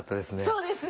そうですよね。